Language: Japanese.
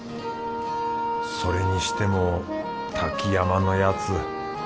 それにしても滝山のヤツ